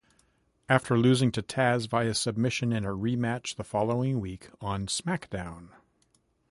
After losing to Tazz via submission in a rematch the following week on SmackDown!